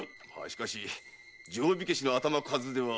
しかし定火消しの頭数では。